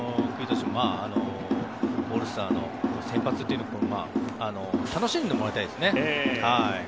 オールスターの先発というのを楽しんでもらいたいですね。